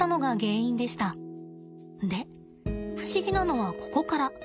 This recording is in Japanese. で不思議なのはここから。